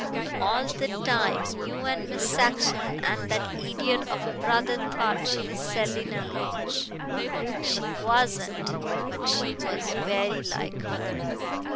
All the time you and Miss Saxon and that idiot of a brother thought she was Selina Loach. She wasn't, but she was very like her.